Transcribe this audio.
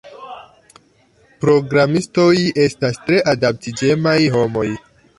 Programistoj estas tre adaptiĝemaj homoj.